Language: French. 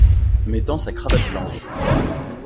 Mettant sa cravate blanche.